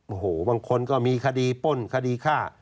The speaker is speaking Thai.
โอ้โหบางคนก็มีคดีป้นคดีฆ่า